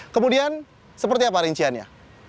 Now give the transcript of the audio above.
kemudian seperti apa rinciannya